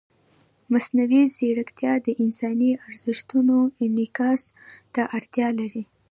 مصنوعي ځیرکتیا د انساني ارزښتونو انعکاس ته اړتیا لري.